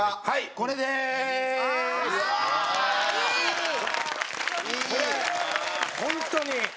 これホントに。